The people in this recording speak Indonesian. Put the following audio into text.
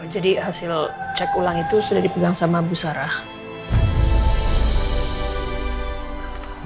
jadi hasil cek ulang itu sudah dipegang sama bu sarah